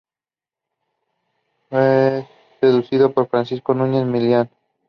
Fue sucedido por Francisco Núñez Melián.